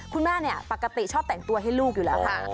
คุณแม่เนี่ยปกติชอบแต่งตัวให้ลูกอยู่แล้วค่ะ